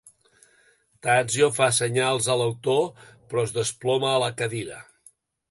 Tadzio fa senyals a l'autor, però es desploma a la cadira.